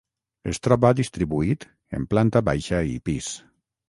Es troba distribuït en planta baixa i pis.